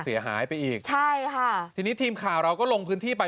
เสียหายไปอีกใช่ค่ะทีนี้ทีมข่าวเราก็ลงพื้นที่ไป